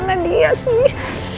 tidak ada apa apa